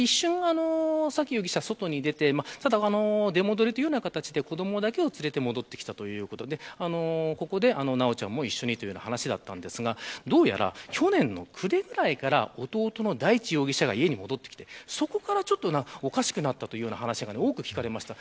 沙喜容疑者は一瞬、外に出て出戻りという形で、子どもを連れて戻ってきたということでここで修ちゃんも一緒にという話でしたがどうやら去年の暮れぐらいから弟の大地容疑者が家に戻ってきてそこからおかしくなったという話が多く聞かれました。